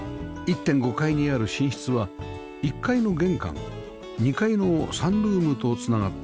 １．５ 階にある寝室は１階の玄関２階のサンルームと繋がっています